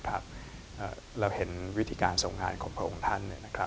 เราเห็นวิธีการทรงงานของพระองค์ท่าน